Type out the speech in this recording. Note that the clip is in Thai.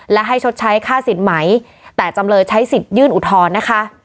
และให้ชดใช้ค่าสินไหมแต่จำเลยใช้สิทธิ์ยื่นอุทธรณ์นะคะ